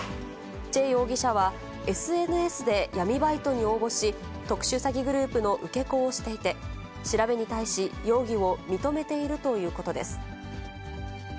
チェ容疑者はＳＮＳで闇バイトに応募し、特殊詐欺グループの受け子をしていて、調べに対し、容疑を認めているということです。